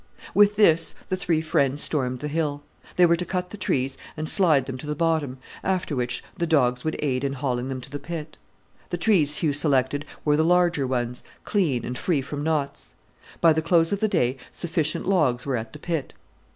With this the three friends stormed the hill. They were to cut the trees and slide them to the bottom, after which the dogs would aid in hauling them to the pit. The trees Hugh selected were the larger ones, clean and free from knots. By the close of the day sufficient logs were at the pit.